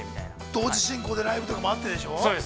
◆同時進行でライブとかもあってでしょう？